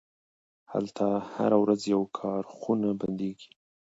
هلته هره ورځ یوه کارخونه بندیږي